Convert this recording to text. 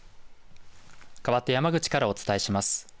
かわって山口からお伝えします。